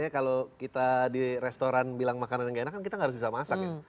kalau kita di restoran bilang makanan yang gak enak kan kita nggak bisa masak ya